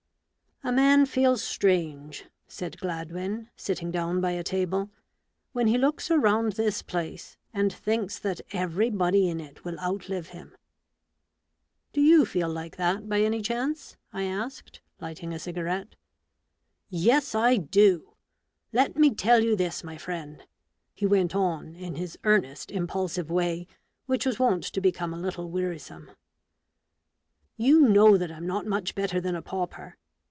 " A man feels strange," said Gladwin, sitting down by a table, " when he looks around this place and thinks that everybody in it will outlive him." 100 A BOOK OF BARGAINS. " Do you feel like that, by any chance ?" I asked, lighting a cigarette, " Yes, I do, Let me tell you this, my friend/' he went on, in his earnest, impulsive way, which was wont to become a little wearisome :" You know that I'm not much better than a pauper.